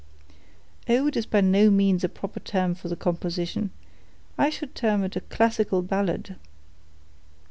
"Ode is by no means a proper term for the composition; I should term it a classical ballad."